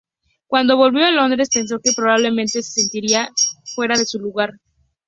Cuando volvió a Londres pensó que probablemente se sentiría fuera de lugar.